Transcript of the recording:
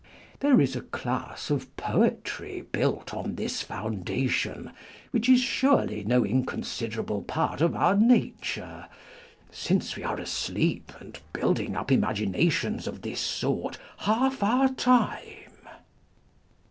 There is a class of poetry built on this foundation, which is surely no inconsiderable part of our nature, since we are asleep and building up imaginations of this sort half our time."